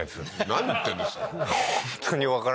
何言ってんですか